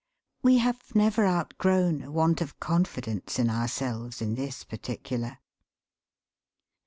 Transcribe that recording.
We have never outgrown a want of confidence in ourselves, in this particular.